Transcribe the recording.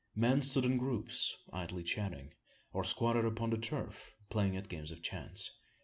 Men stood in groups, idly chatting, or squatted upon the turf, playing at games of chance.